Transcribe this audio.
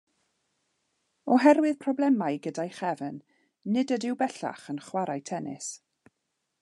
Oherwydd problemau gyda'i chefn, nid ydyw bellach y chwarae tenis.